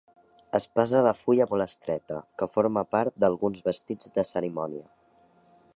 Espasa de fulla molt estreta que forma part d'alguns vestits de cerimònia.